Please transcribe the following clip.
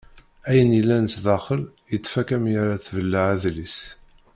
Ayen yellan sdaxel yettfaka mi ara tbelleɛ adlis.